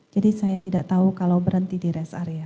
jadi saya tidak tahu kalau berhenti di area sakit